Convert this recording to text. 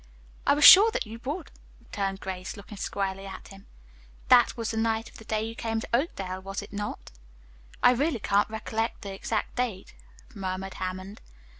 "I was sure that you would," returned Grace, looking squarely at him. "That was the night of the day you came to Oakdale, was it not?" "I really can't recollect the exact date," murmured Hammond.